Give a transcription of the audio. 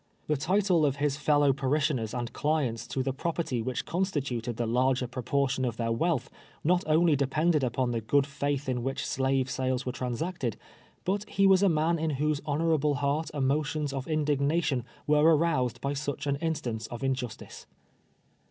The title of his fel low j^arishioners and clients to the property which constituted the larger proportion of their wealth, not only depended upon the good faith in which slave sales were transacted, but he was a man in whose honorable heart emotions of indignation were aroused by such an instance of injustice.